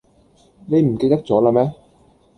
你唔記得咗啦咩?